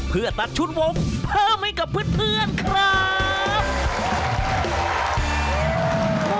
เพื่อตัดชุนวงเพิ่มให้กับเพื่อนครับ